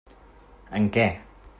En què?